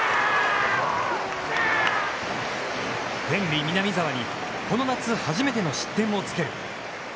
天理、南沢にこの夏初めての失点をつける。